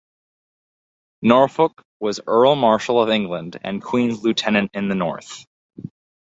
Norfolk was Earl Marshal of England and Queen's Lieutenant in the North.